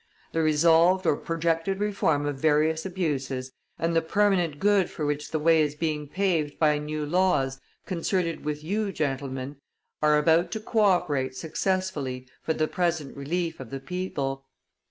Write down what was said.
"The resolved or projected reform of various abuses, and the permanent good for which the way is being paved by new laws concerted with you, gentlemen, are about to co operate successfully for the present relief of the people.